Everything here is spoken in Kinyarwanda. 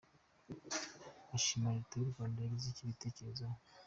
Ashimira Leta y’u Rwanda yagize icyo gitekerezo.